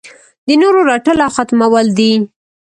د نورو رټل او ختمول دي.